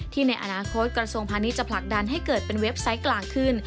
ในอนาคตกระทรวงพาณิชยจะผลักดันให้เกิดเป็นเว็บไซต์กลางขึ้น